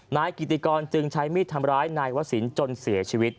นายกิติกรจึงใช้มีดทำร้ายนายวศิลป์จนเสียชีวิต